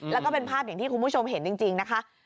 แล้วก็เป็นภาพอย่างที่คุณผู้ชมเห็นจริงนะคะ